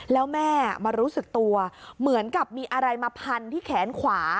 แล้วแม่มารู้สึกตัวเหมือนกับมีอะไรมาพันที่แขนขวา